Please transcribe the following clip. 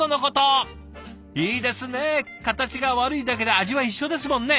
いいですね形が悪いだけで味は一緒ですもんね。